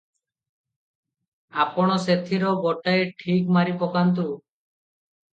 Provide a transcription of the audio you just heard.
ଆପଣ ସେଥିର ଗୋଟାଏ ଠିକ୍ କରିପକାନ୍ତୁ ।"